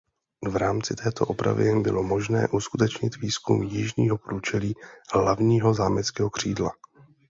V rámci této opravy bylo možné uskutečnit výzkum jižního průčelí hlavního zámeckého křídla.